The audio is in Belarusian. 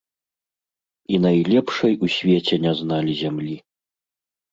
І найлепшай у свеце не зналі зямлі.